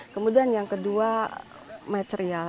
kemudian yang kedua material